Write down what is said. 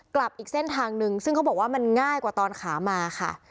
กลับอีกเส้นทางนึงซึ่งเขาบอกว่ามันง่ายกว่าตอนขามาค่ะ